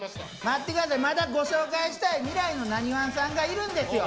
待って下さいまだご紹介したい未来のなにわんさんがいるんですよ。